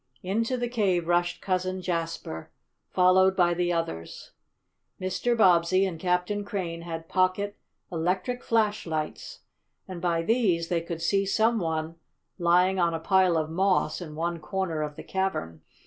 Into the cave rushed Cousin Jasper, followed by the others. Mr. Bobbsey and Captain Crane had pocket electric flashlights, and by these they could see some one lying on a pile of moss in one corner of the cavern.